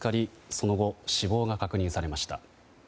その後、死亡が確認されました。